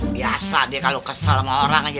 biasa dia kalau kesal sama orang aja